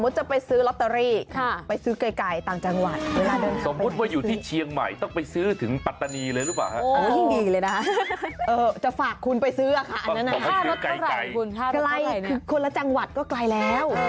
ถ้ารถเท่าไหร่คนละจังหวัดก็ไกลแล้ว